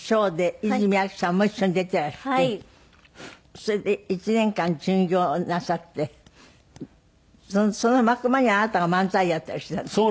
それで１年間巡業をなさってその幕間にあなたが漫才やったりしてたんですって？